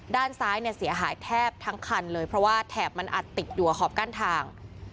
ด้านซ้ายเนี่ยเสียหายแทบทั้งคันเลยเพราะว่าแถบมันอัดติดอยู่กับขอบกั้นทาง